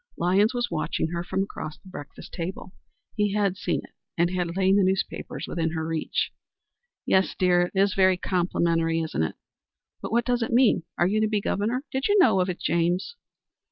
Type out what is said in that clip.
Lyons was watching her from across the breakfast table. He had seen it, and had laid the newspaper within her reach. "Yes, dear. It is very complimentary, isn't it?" "But what does it mean? Are you to be Governor? Did you know of it, James?"